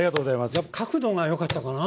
やっぱ角度がよかったかなあ。